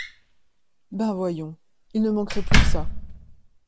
Ben voyons... Il ne manquerait plus que ça.